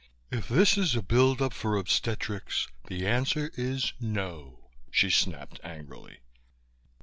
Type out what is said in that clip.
"If this is a build up for obstetrics, the answer is 'No!'" she snapped angrily.